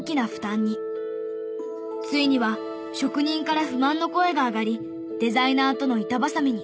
ついには職人から不満の声が上がりデザイナーとの板挟みに。